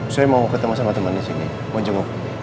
saya mau ketemu sama temannya sini mau jenguk